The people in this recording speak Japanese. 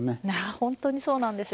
本当にそうなんですよ。